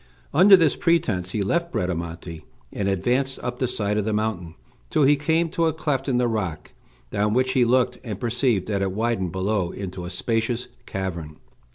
Under this pretence he left Bradamante, and advanced up the side of the mountain till he came to a cleft in the rock, down which he looked, and perceived that it widened below into a spacious cavern.